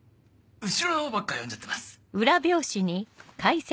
後ろの方ばっか読んじゃってます。